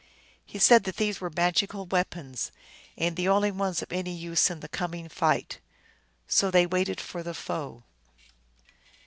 He said that these were magical weapons, and the only ones of any use in the coming fight. So they waited for the foe.